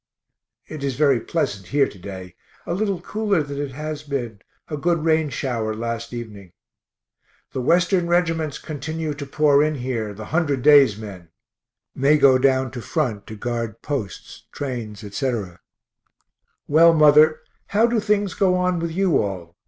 It is very pleasant here to day, a little cooler than it has been a good rain shower last evening. The Western reg'ts continue to pour in here, the 100 days men; may go down to front to guard posts, trains, etc. Well, mother, how do things go on with you all?